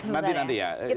nanti nanti ya